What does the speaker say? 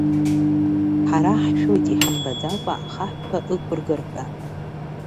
Ҳара ҳшәоит иҳамбаӡакәа ахаҳәқәа ықәыргар ҳәа.